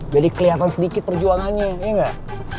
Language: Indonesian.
jadi keliatan sedikit perjuangannya iya gak